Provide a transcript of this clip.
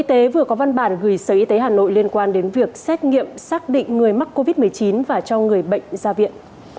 bộ y tế vừa có văn bản gửi sở y tế hà nội liên quan đến việc xét nghiệm xác định người mắc covid một mươi chín và cho người bệnh ra viện